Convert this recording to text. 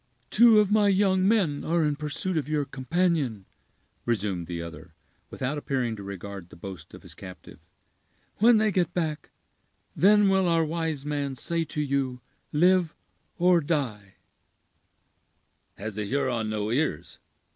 "Two of my young men are in pursuit of your companion," resumed the other, without appearing to regard the boast of his captive; "when they get back, then will our wise man say to you 'live' or 'die'." "Has a Huron no ears?"